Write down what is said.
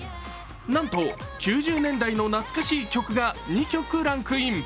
なんと９０年代の懐かしい曲が２曲ランクイン。